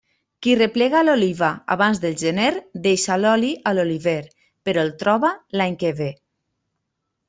Qui replega l'oliva abans del gener deixa l'oli a l'oliver, però el troba l'any que ve.